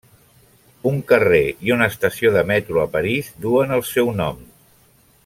Un carrer i una estació de metro a París duen el seu nom.